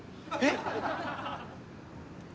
えっ？